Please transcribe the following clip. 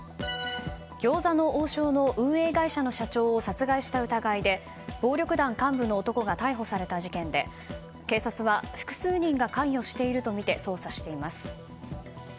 餃子の王将の運営会社の社長を殺害した疑いで暴力団幹部の男が逮捕された事件で警察は複数人が関与しているとみて捜査しています。